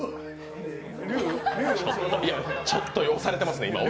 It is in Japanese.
ちょっと押されてます。